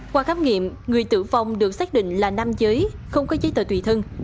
qua khám nghiệm người tử vong được xác định là nam giới không có giấy tờ tùy thân